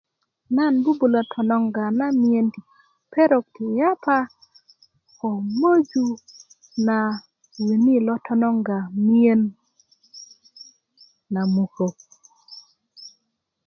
nan bubulö tononga na miyen perok ti yapa ko möju na wini lo tononga miyen na mukök